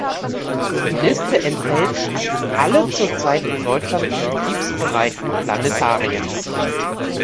Die Liste enthält alle zurzeit in Deutschland betriebsbereiten Planetarien.